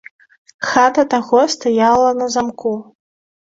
Хата таго стаяла на замку.